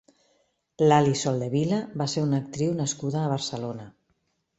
Laly Soldevila va ser una actriu nascuda a Barcelona.